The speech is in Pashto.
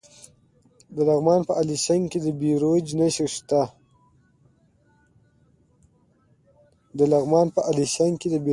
د لغمان په الیشنګ کې د بیروج نښې شته.